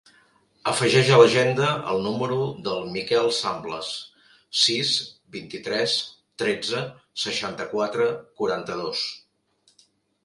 Afegeix a l'agenda el número del Miquel Samblas: sis, vint-i-tres, tretze, seixanta-quatre, quaranta-dos.